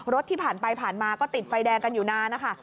ที่ผ่านไปผ่านมาก็ติดไฟแดงกันอยู่นานนะคะ